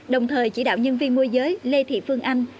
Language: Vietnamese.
đồng thời chỉ đạo nhân viên môi giới lê thị phương anh